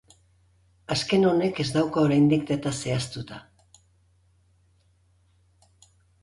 Azken honek ez dauka oraindik data zehaztuta.